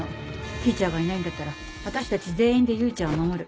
Ｔｅａｃｈｅｒがいないんだったら私たち全員で唯ちゃんを守る。